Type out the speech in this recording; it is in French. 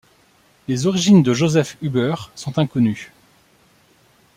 Les origines de Josef Huber sont inconnues.